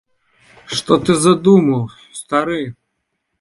Што ты задумаў, стары?!